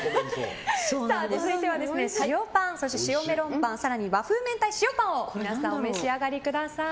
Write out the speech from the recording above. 続いては塩パン、塩メロンパン更に和風明太塩パンを皆さんお召し上がりください。